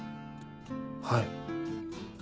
はい。